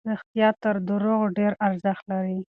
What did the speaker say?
رښتیا تر درواغو ډېر ارزښت لري.